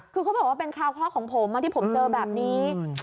คือเขาบอกว่าเป็นคราวเคราะห์ของผมที่ผมเจอแบบนี้